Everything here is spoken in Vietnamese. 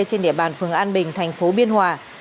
trên địa bàn phường an bình thành phố biên hòa